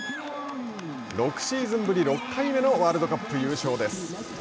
６シーズンぶり６回目のワールドカップ優勝です。